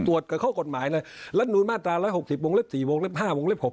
ตรวจกับข้อกฎหมายเลยและนูนมาตราร้ายห้อหกสิบบองเลขสี่บองเลขห้าบองเลขหก